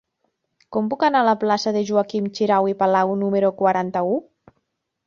Com puc anar a la plaça de Joaquim Xirau i Palau número quaranta-u?